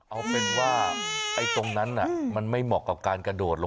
เอาเป็นว่าตรงนั้นมันไม่เหมาะกับการกระโดดหรอก